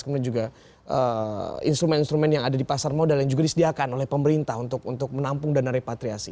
kemudian juga instrumen instrumen yang ada di pasar modal yang juga disediakan oleh pemerintah untuk menampung dana repatriasi